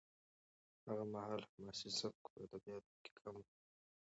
هغه مهال حماسي سبک په ادبیاتو کې کم و.